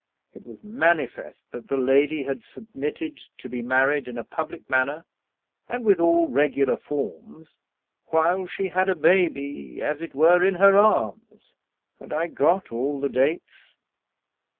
It was manifest that the lady had submitted to be married in a public manner and with all regular forms, while she had a baby, as it were, in her arms. And I got all the dates.